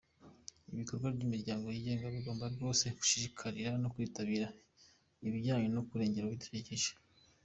Abikorera n’imiryango yigenga bagomba rwose gushishikarira no kwitabira ibijyanye no kurengera ibidukikije.